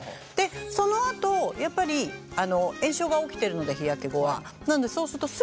そのあとやっぱり炎症が起きてるので日焼け後は。